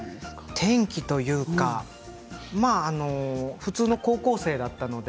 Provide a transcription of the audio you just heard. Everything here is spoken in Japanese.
転機というか普通の高校生だったので。